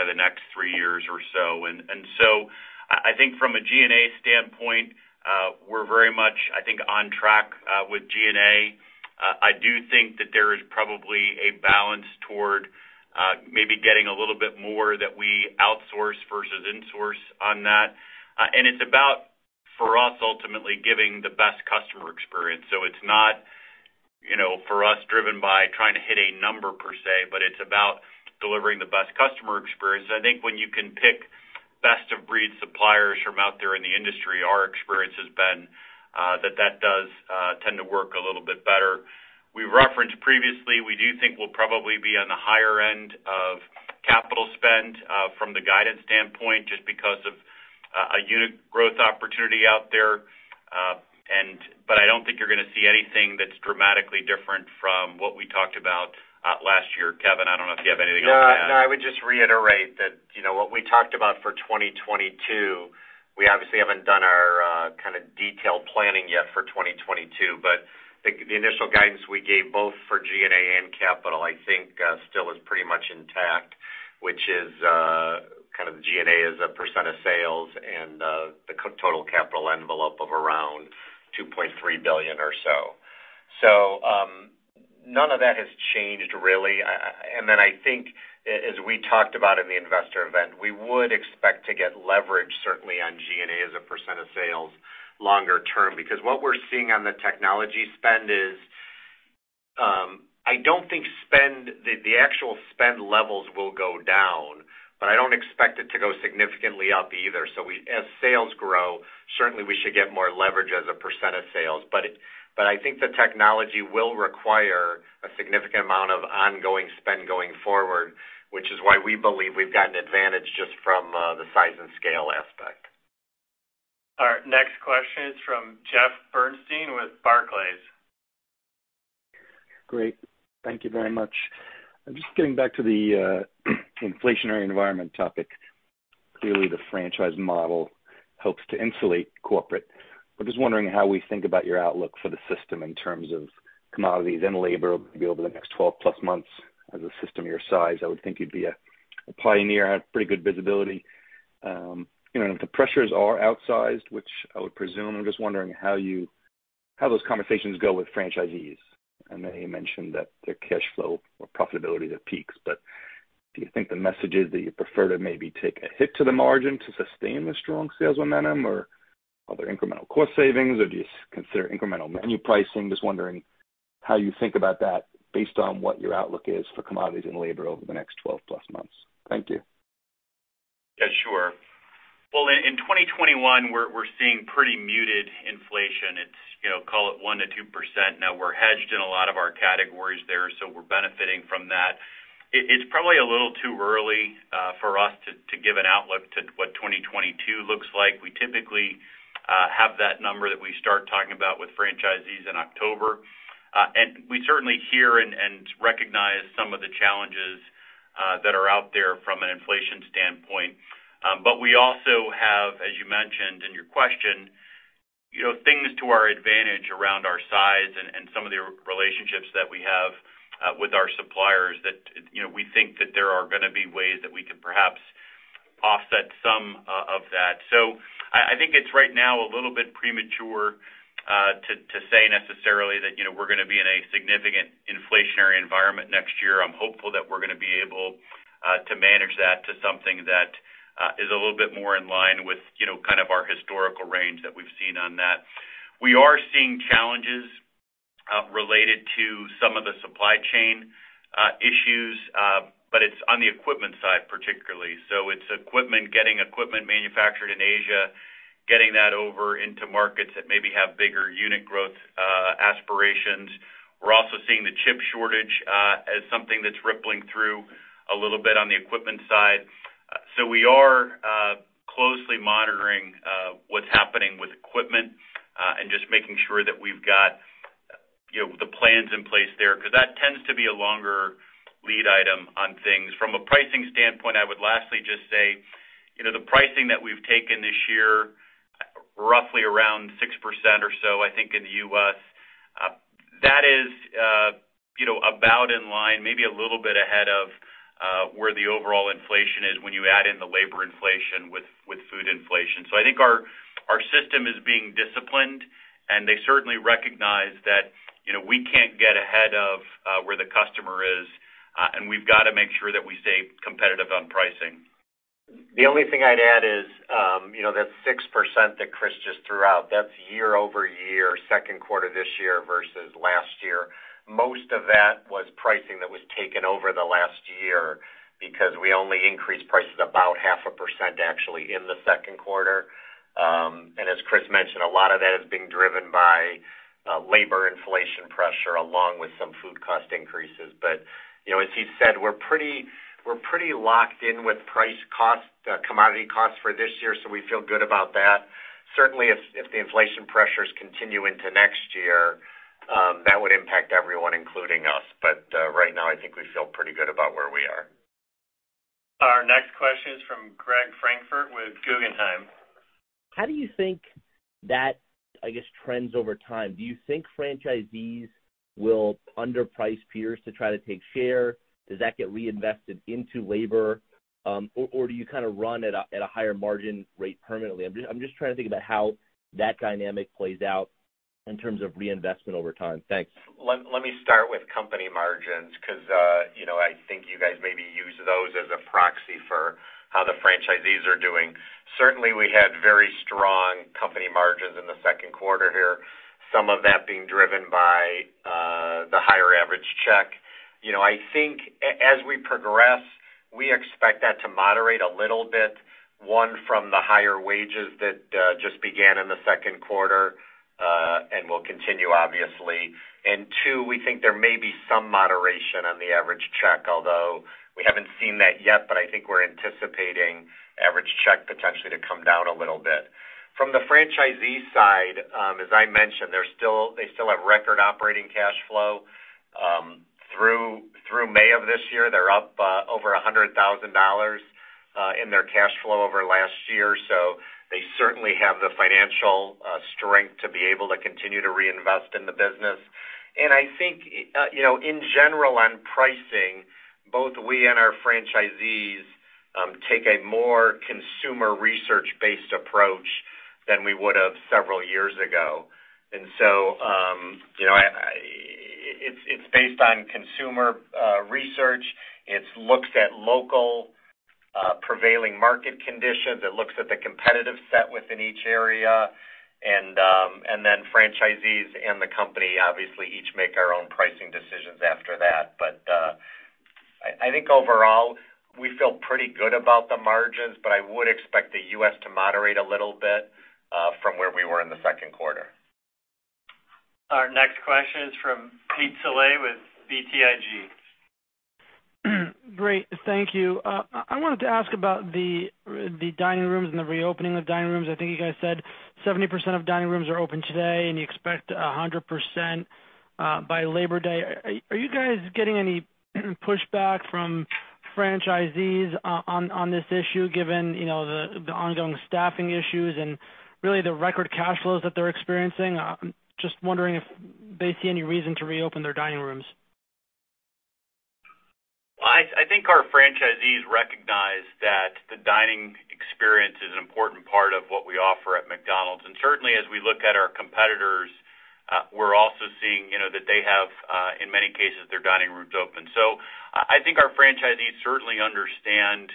over the next three years or so. I think from a G&A standpoint, we're very much on track with G&A. I do think that there is probably a balance toward maybe getting a little bit more that we outsource versus insource on that. It's about, for us, ultimately giving the best customer experience. It's not for us driven by trying to hit a number per se, but it's about delivering the best customer experience. I think when you can pick best-of-breed suppliers from out there in the industry, our experience has been that that does tend to work a little bit better. We referenced previously, we do think we'll probably be on the higher end of CapEx from the guidance standpoint, just because of a unit growth opportunity out there. I don't think you're going to see anything that's dramatically different from what we talked about last year. Kevin, I don't know if you have anything else to add. No, I would just reiterate that what we talked about for 2022, we obviously haven't done our detailed planning yet for 2022. The initial guidance we gave both for G&A and capital, I think, still is pretty much intact, which is G&A as a percent of sales and the total capital envelope of around $2.3 billion or so. None of that has changed, really. I think, as we talked about in the investor event, we would expect to get leverage certainly on G&A as a percent of sales longer term. What we're seeing on the technology spend is, I don't think the actual spend levels will go down, but I don't expect it to go significantly up either. As sales grow, certainly we should get more leverage as a percent of sales. I think the technology will require a significant amount of ongoing spend going forward, which is why we believe we've got an advantage just from the size and scale aspect. All right. Next question is from Jeff Bernstein with Barclays. Great. Thank you very much. Just getting back to the inflationary environment topic. Clearly, the franchise model helps to insulate corporate. I'm just wondering how we think about your outlook for the system in terms of commodities and labor maybe over the next 12 plus months. As a system your size, I would think you'd be a pioneer, have pretty good visibility. If the pressures are outsized, which I would presume, I'm just wondering how those conversations go with franchisees. I know you mentioned that their cash flow or profitability that peaks, but do you think the message is that you prefer to maybe take a hit to the margin to sustain the strong sales momentum, or are there incremental cost savings, or do you consider incremental menu pricing? Just wondering how you think about that based on what your outlook is for commodities and labor over the next 12 plus months. Thank you. Yeah, sure. Well, in 2021, we're seeing pretty muted inflation. Call it 1%-2%. We're hedged in a lot of our categories there, so we're benefiting from that. It's probably a little too early for us to give an outlook to what 2022 looks like. We typically have that number that we start talking about with franchisees in October. We certainly hear and recognize some of the challenges that are out there from an inflation standpoint. We also have, as you mentioned in your question, things to our advantage around our size and some of the relationships that we have with our suppliers that we think that there are going to be ways that we can perhaps offset some of that. I think it's right now a little bit premature to say necessarily that we're going to be in a significant inflationary environment next year. I'm hopeful that we're going to be able to manage that to something that is a little bit more in line with our historical range that we've seen on that. We are seeing challenges related to some of the supply chain issues, but it's on the equipment side particularly. It's getting equipment manufactured in Asia, getting that over into markets that maybe have bigger unit growth aspirations. We're also seeing the chip shortage as something that's rippling through a little bit on the equipment side. We are closely monitoring what's happening with equipment and just making sure that we've got the plans in place there, because that tends to be a longer lead item on things. From a pricing standpoint, I would lastly just say, the pricing that we've taken this year, roughly around 6% or so, I think in the U.S., that is about in line, maybe a little bit ahead of where the overall inflation is when you add in the labor inflation with food inflation. I think our system is being disciplined, and they certainly recognize that we can't get ahead of where the customer is, and we've got to make sure that we stay competitive on pricing. The only thing I'd add is that 6% that Chris just threw out, that's year-over-year, second quarter this year versus last year. Most of that was pricing that was taken over the last year because we only increased prices about 0.5% actually in the second quarter. As Chris mentioned, a lot of that is being driven by labor inflation pressure along with some food cost increases. As he said, we're pretty locked in with price cost, commodity cost for this year, so we feel good about that. Certainly, if the inflation pressures continue into next year. That would impact everyone, including us. Right now, I think we feel pretty good about where we are. Our next question is from Greg Francfort with Guggenheim. How do you think that trends over time? Do you think franchisees will underprice peers to try to take share? Does that get reinvested into labor? Do you run at a higher margin rate permanently? I'm just trying to think about how that dynamic plays out in terms of reinvestment over time. Thanks. Let me start with company margins, because I think you guys maybe use those as a proxy for how the franchisees are doing. Certainly, we had very strong company margins in the second quarter here, some of that being driven by the higher average check. I think, as we progress, we expect that to moderate a little bit, one, from the higher wages that just began in the second quarter, and will continue, obviously. Two, we think there may be some moderation on the average check, although we haven't seen that yet, but I think we're anticipating average check potentially to come down a little bit. From the franchisee side, as I mentioned, they still have record operating cash flow. Through May of this year, they're up over $100,000 in their cash flow over last year. They certainly have the financial strength to be able to continue to reinvest in the business. I think, in general, on pricing, both we and our franchisees take a more consumer research-based approach than we would have several years ago. It's based on consumer research. It looks at local prevailing market conditions. It looks at the competitive set within each area. Franchisees and the company, obviously, each make our own pricing decisions after that. I think overall, we feel pretty good about the margins, but I would expect the U.S. to moderate a little bit from where we were in the second quarter. Our next question is from Pete Saleh with BTIG. Great, thank you. I wanted to ask about the dining rooms and the reopening of dining rooms. I think you guys said 70% of dining rooms are open today, and you expect 100% by Labor Day. Are you guys getting any pushback from franchisees on this issue, given the ongoing staffing issues and really the record cash flows that they're experiencing? Just wondering if they see any reason to reopen their dining rooms. I think our franchisees recognize that the dining experience is an important part of what we offer at McDonald's. Certainly, as we look at our competitors, we're also seeing that they have, in many cases, their dining rooms open. I think our franchisees certainly understand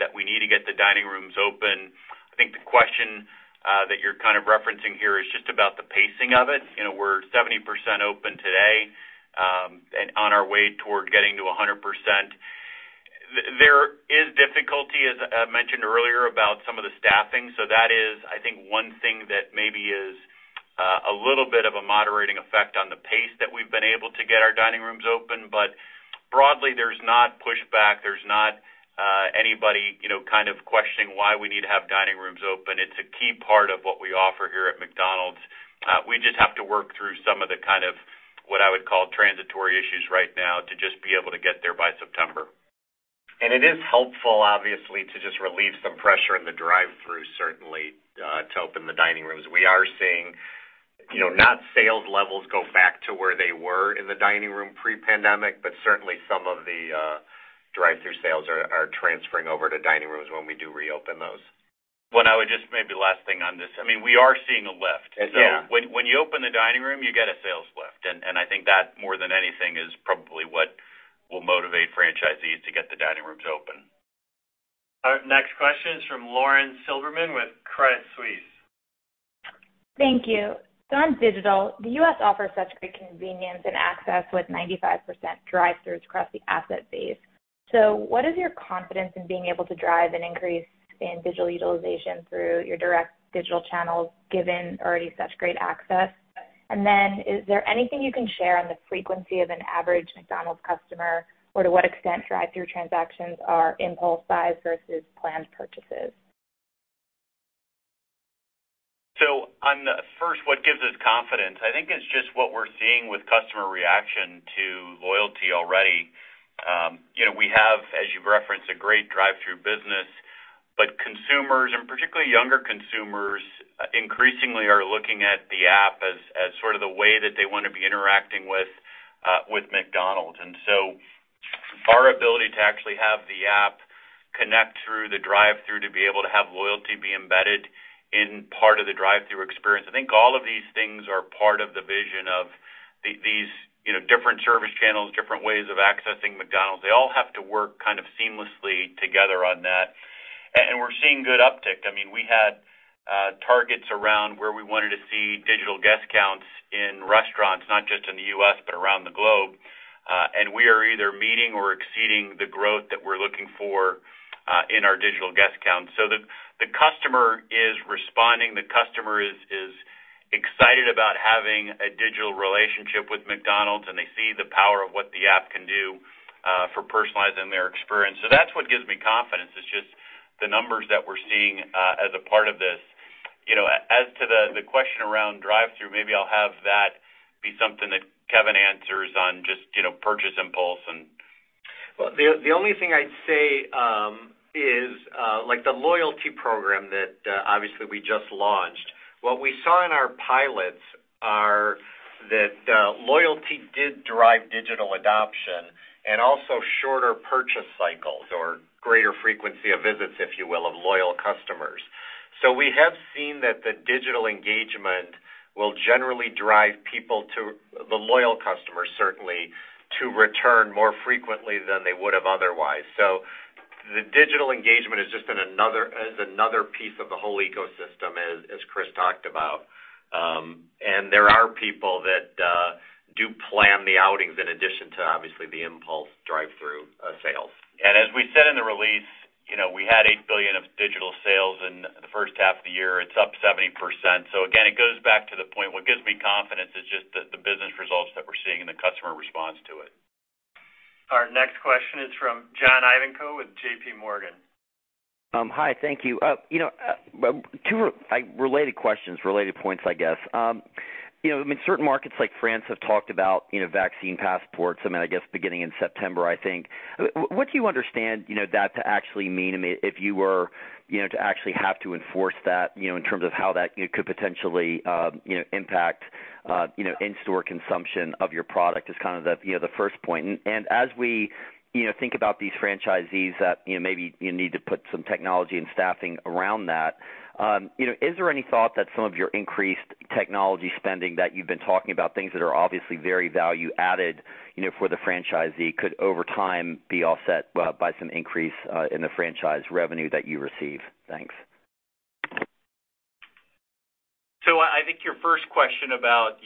that we need to get the dining rooms open. I think the question that you're referencing here is just about the pacing of it. We're 70% open today, and on our way toward getting to 100%. There is difficulty, as I mentioned earlier, about some of the staffing. That is, I think, one thing that maybe is a little bit of a moderating effect on the pace that we've been able to get our dining rooms open. Broadly, there's not pushback. There's not anybody questioning why we need to have dining rooms open. It's a key part of what we offer here at McDonald's. We just have to work through some of the, what I would call transitory issues right now to just be able to get there by September. It is helpful, obviously, to just relieve some pressure in the drive-thru, certainly, to open the dining rooms. We are seeing not sales levels go back to where they were in the dining room pre-pandemic, but certainly some of the drive-thru sales are transferring over to dining rooms when we do reopen those. I would just, maybe last thing on this. We are seeing a lift. Yeah. When you open the dining room, you get a sales lift. I think that more than anything is probably what will motivate franchisees to get the dining rooms open. Our next question is from Lauren Silberman with Credit Suisse. Thank you. On digital, the U.S. offers such great convenience and access with 95% drive-thrus across the asset base. What is your confidence in being able to drive an increase in digital utilization through your direct digital channels, given already such great access? Is there anything you can share on the frequency of an average McDonald's customer? To what extent drive-thru transactions are impulse buys versus planned purchases? On first, what gives us confidence, I think it's just what we're seeing with customer reaction to loyalty already. We have, as you've referenced, a great drive-thru business. Consumers, and particularly younger consumers, increasingly are looking at the app as the way that they want to be interacting with McDonald's. Our ability to actually have the app connect through the drive-thru, to be able to have loyalty be embedded in part of the drive-thru experience. I think all of these things are part of the vision of these different service channels, different ways of accessing McDonald's. They all have to work seamlessly together on that. And we're seeing good uptick. We had targets around where we wanted to see digital guest counts in restaurants, not just in the U.S., but around the globe. We are either meeting or exceeding the growth that we're looking for in our digital guest count. The customer is responding. The customer is excited about having a digital relationship with McDonald's, and they see the power of what the app can do for personalizing their experience. That's what gives me confidence. The numbers that we're seeing as a part of this. As to the question around drive-through, maybe I'll have that be something that Kevin answers on just purchase impulse. Well, the only thing I'd say is like the loyalty program that obviously we just launched, what we saw in our pilots are that loyalty did drive digital adoption and also shorter purchase cycles or greater frequency of visits, if you will, of loyal customers. We have seen that the digital engagement will generally drive people, the loyal customers certainly, to return more frequently than they would have otherwise. The digital engagement is another piece of the whole ecosystem, as Chris talked about. There are people that do plan the outings in addition to obviously the impulse drive-through sales. As we said in the release, we had $8 billion of digital sales in the first half of the year. It's up 70%. Again, it goes back to the point, what gives me confidence is just the business results that we're seeing and the customer response to it. Our next question is from John Ivankoe with JPMorgan. Hi, thank you. Two related questions, related points, I guess. In certain markets like France have talked about vaccine passports, I mean, I guess beginning in September, I think. What do you understand that to actually mean? I mean, if you were to actually have to enforce that, in terms of how that could potentially impact in-store consumption of your product is kind of the first point. As we think about these franchisees that maybe you need to put some technology and staffing around that, is there any thought that some of your increased technology spending that you've been talking about, things that are obviously very value added for the franchisee could, over time, be offset by some increase in the franchise revenue that you receive? Thanks. I think your first question about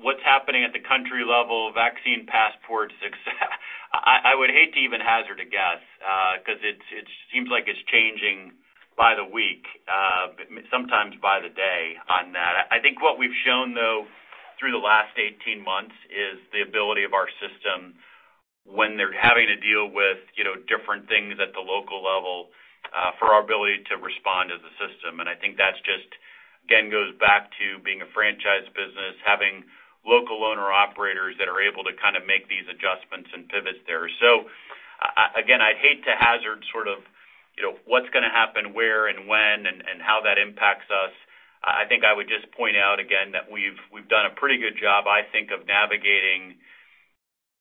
what's happening at the country level, vaccine passports, I would hate to even hazard a guess, because it seems like it's changing by the week, sometimes by the day on that. I think what we've shown, though, through the last 18 months, is the ability of our system when they're having to deal with different things at the local level, for our ability to respond as a system. I think that just, again, goes back to being a franchise business, having local owner-operators that are able to kind of make these adjustments and pivots there. Again, I'd hate to hazard sort of what's going to happen where and when and how that impacts us. I think I would just point out again that we've done a pretty good job, I think, of navigating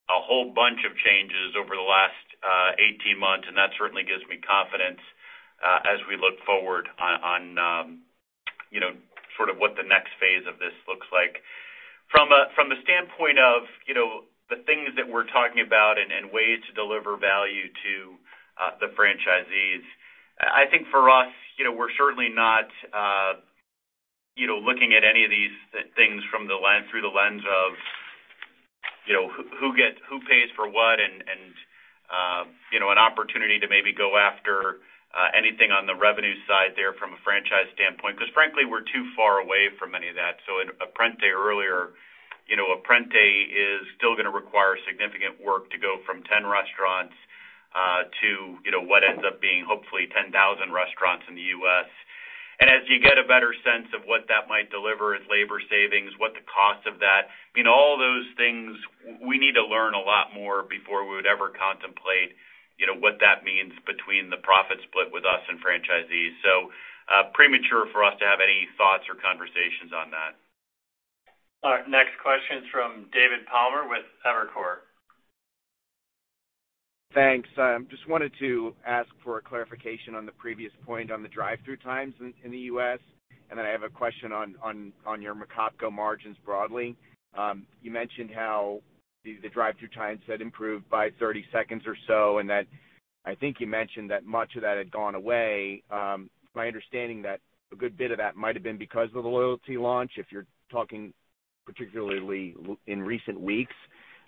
a whole bunch of changes over the last 18 months, and that certainly gives me confidence as we look forward on sort of what the next phase of this looks like. From a standpoint of the things that we're talking about and ways to deliver value to the franchisees, I think for us, we're certainly not looking at any of these things through the lens of who pays for what and an opportunity to maybe go after anything on the revenue side there from a franchise standpoint, because frankly, we're too far away from any of that. Apprente earlier, Apprente is still going to require significant work to go from 10 restaurants to what ends up being hopefully 10,000 restaurants in the U.S. As you get a better sense of what that might deliver as labor savings, what the cost of that, I mean, all those things, we need to learn a lot more before we would ever contemplate what that means between the profit split with us and franchisees. Premature for us to have any thoughts or conversations on that. Our next question is from David Palmer with Evercore. Thanks. Just wanted to ask for a clarification on the previous point on the drive-through times in the U.S., I have a question on your McOpCo margins broadly. You mentioned how the drive-through times had improved by 30 seconds or so, I think you mentioned that much of that had gone away. My understanding that a good bit of that might have been because of the MyMcDonald's Rewards launch, if you're talking particularly in recent weeks.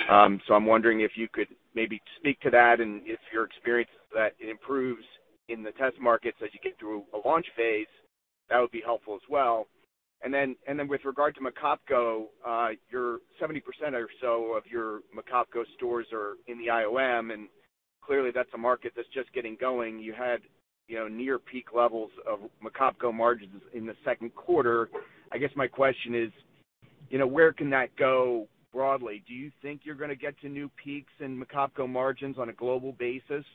I'm wondering if you could maybe speak to that and if your experience that it improves in the test markets as you get through a launch phase, that would be helpful as well. With regard to McOpCo, 70% or so of your McOpCo stores are in the IOM, that's a market that's just getting going. You had near peak levels of McOpCo margins in the second quarter. I guess my question is, where can that go broadly? Do you think you're going to get to new peaks in McOpCo margins on a global basis?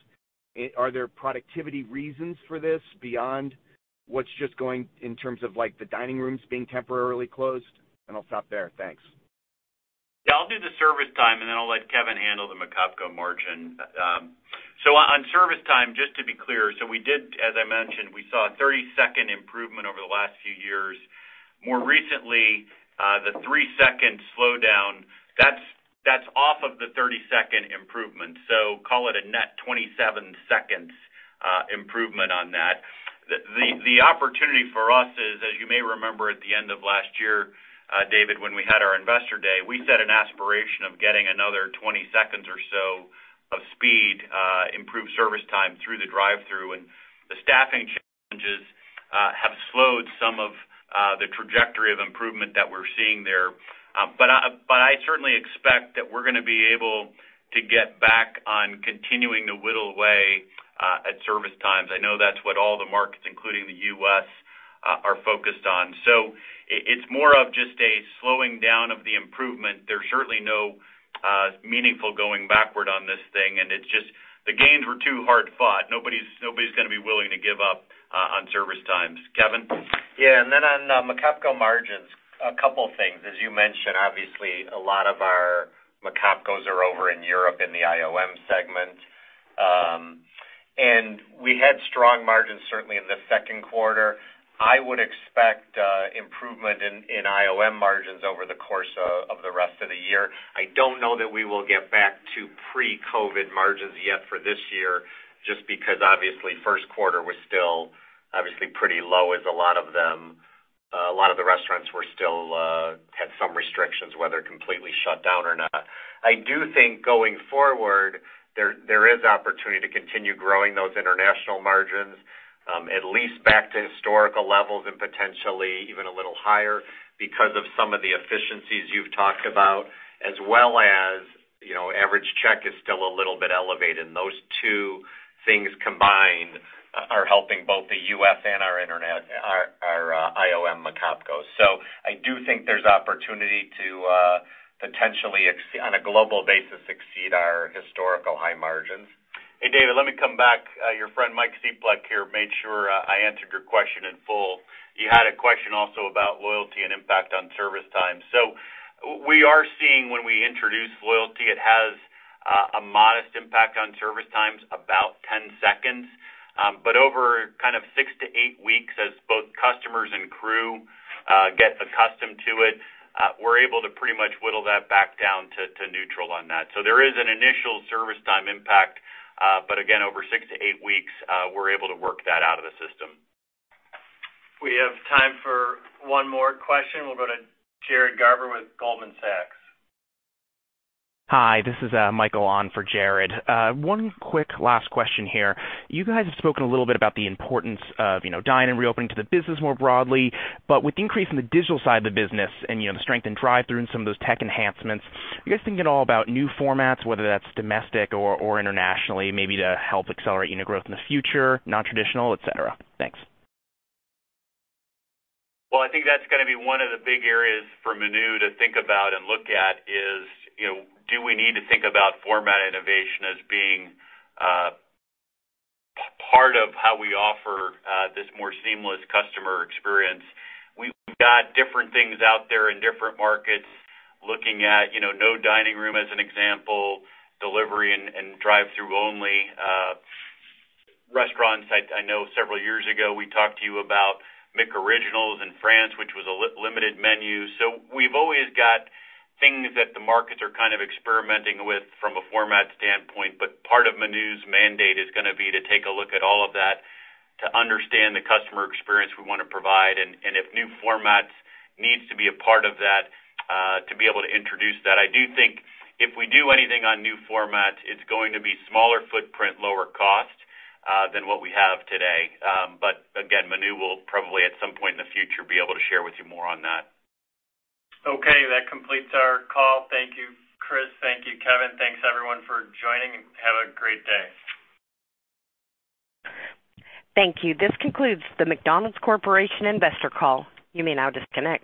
Are there productivity reasons for this beyond what's just going in terms of the dining rooms being temporarily closed? I'll stop there. Thanks. Yeah, I'll do the service time, and then I'll let Kevin handle the McOpCo margin. On service time, just to be clear, as I mentioned, we saw a 30-second improvement over the last few years. More recently, the 3-second slowdown, that's off of the 30-second improvement. Call it a net 27 seconds improvement on that. The opportunity for us is, as you may remember at the end of last year, David, when we had our Investor Day, we set an aspiration of getting another 20 seconds or so of speed, improved service time through the drive-through. The staffing challenges slowed some of the trajectory of improvement that we're seeing there. I certainly expect that we're going to be able to get back on continuing to whittle away at service times. I know that's what all the markets, including the U.S., are focused on. It's more of just a slowing down of the improvement. There's certainly no meaningful going backward on this thing, and it's just the gains were too hard fought. Nobody's going to be willing to give up on service times. Kevin? Yeah. On McOpCo margins, a couple things. As you mentioned, obviously, a lot of our McOpCos are over in Europe in the IOM segment. We had strong margins certainly in the second quarter. I would expect improvement in IOM margins over the course of the rest of the year. I don't know that we will get back to pre-COVID margins yet for this year just because obviously first quarter was still obviously pretty low as a lot of the restaurants still had some restrictions, whether completely shut down or not. I do think going forward, there is opportunity to continue growing those international margins, at least back to historical levels and potentially even a little higher because of some of the efficiencies you've talked about as well as average check is still a little bit elevated, and those two things combined are helping both the U.S. and our IOM McOpCos. I do think there is opportunity to potentially, on a global basis, exceed our historical high margins. Hey, David, let me come back. Your friend Mike Cieplak here made sure I answered your question in full. You had a question also about loyalty and impact on service time. We are seeing when we introduce loyalty, it has a modest impact on service times, about 10 seconds. Over six to eight weeks, as both customers and crew get accustomed to it, we're able to pretty much whittle that back down to neutral on that. There is an initial service time impact, but again, over six to eight weeks, we're able to work that out of the system. We have time for one more question. We will go to Jared Garber with Goldman Sachs. Hi, this is Michael on for Jared. One quick last question here. You guys have spoken a little bit about the importance of dine-in reopening to the business more broadly. With the increase in the digital side of the business and the strength in drive-through and some of those tech enhancements, are you guys thinking at all about new formats, whether that's domestic or internationally, maybe to help accelerate unit growth in the future, non-traditional, et cetera? Thanks. Well, I think that's going to be one of the big areas for Manu to think about and look at is, do we need to think about format innovation as being part of how we offer this more seamless customer experience? We've got different things out there in different markets looking at no dining room, as an example, delivery and drive-through only restaurants. I know several years ago, we talked to you about McOriginals in France, which was a limited menu. We've always got things that the markets are kind of experimenting with from a format standpoint. Part of Manu's mandate is going to be to take a look at all of that to understand the customer experience we want to provide, and if new formats needs to be a part of that to be able to introduce that. I do think if we do anything on new formats, it's going to be smaller footprint, lower cost than what we have today. Again, Manu will probably at some point in the future be able to share with you more on that. Okay, that completes our call. Thank you, Chris. Thank you, Kevin. Thanks, everyone, for joining. Have a great day. Thank you. This concludes the McDonald's Corporation investor call. You may now disconnect.